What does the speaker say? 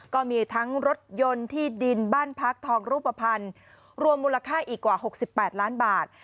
ก็มีทั้งรถยนต์ที่ดินบ้านพักทองรูปภัณฑ์รวมมูลค่าอีกกว่า๖๘ล้านบาท